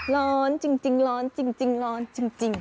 ร้อนจริงร้อนจริงร้อนจริง